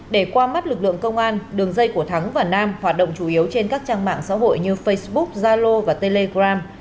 để qua mắt lực lượng công an đường dây của thắng và nam hoạt động chủ yếu trên các trang mạng xã hội như facebook zalo và telegram